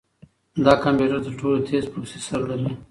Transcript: دا کمپیوټر تر ټولو تېز پروسیسر لري.